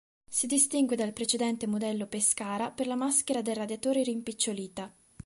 Si distingue dal precedente modello "Pescara" per la maschera del radiatore rimpicciolita.